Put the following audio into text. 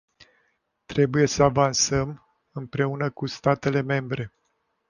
Trebuie să avansăm, împreună cu statele membre.